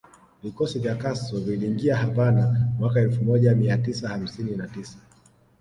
Vikosi vya Castro viliingia Havana mwaka elfu moja mia tisa hamsini na tisa